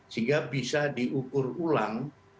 sehingga bisa diukur ulang